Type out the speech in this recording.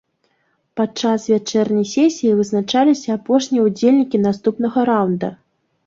Падчас вячэрняй сесіі вызначаліся апошнія ўдзельнікі наступнага раўнда.